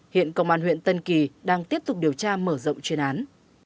hiện công an huyện tân kỳ đang tiếp tục điều tra mở rộng chuyên án